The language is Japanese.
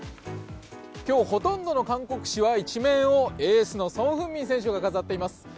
今日、ほとんどの韓国紙は１面をエースのソン・フンミン選手が飾っています。